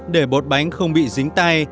để bột bánh không bị dính tay